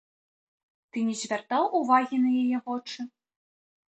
Ты не звяртаў увагі на яе вочы?